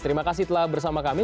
terima kasih telah bersama kami